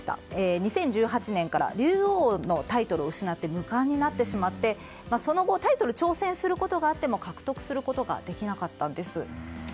２０１８年から竜王のタイトルを失って無冠になってしまって、その後タイトル挑戦することがあっても獲得することができなかったんです。